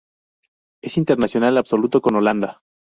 Es internacional absoluto con Holanda.